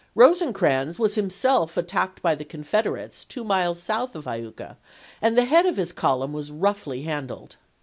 Eosecrans was himself attacked by the Confeder ates two miles south of Iuka, and the head of his column was roughly handled.